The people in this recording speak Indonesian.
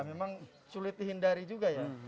memang sulit dihindari juga ya